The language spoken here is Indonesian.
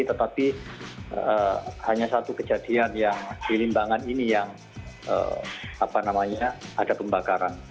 tetapi hanya satu kejadian yang di limbangan ini yang ada pembakaran